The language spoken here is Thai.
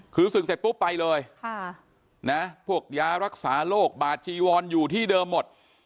คือศึกเสร็จปุ๊บไปเลยพวกยารักษาโรคบาดจีวอนอยู่ที่เดิมหมด